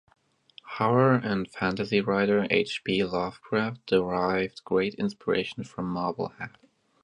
Horror and fantasy writer H. P. Lovecraft derived great inspiration from Marblehead.